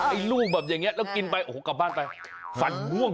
ไอ้ลูกแบบอย่างนี้แล้วกินไปโอ้โหกลับบ้านไปฟันม่วง